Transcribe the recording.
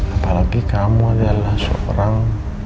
apalagi kamu adalah seorang